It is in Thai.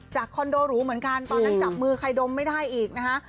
คอนโดหรูเหมือนกันตอนนั้นจับมือใครดมไม่ได้อีกนะคะ